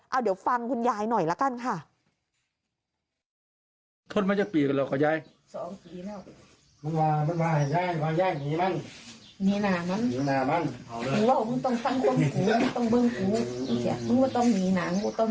เอาเดี๋ยวฟังคุณยายหน่อยละกันค่ะ